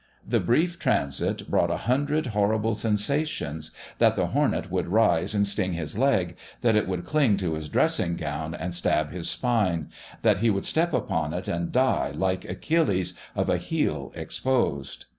The brief transit brought a hundred horrible sensations that the hornet would rise and sting his leg, that it would cling to his dressing gown and stab his spine, that he would step upon it and die, like Achilles, of a heel exposed.